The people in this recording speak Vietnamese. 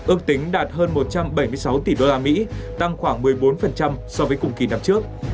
ước tính đạt hơn một trăm bảy mươi sáu tỷ usd tăng khoảng một mươi bốn so với cùng kỳ năm trước